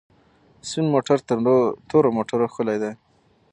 سپین موټر تر تورو موټرو ښکلی دی.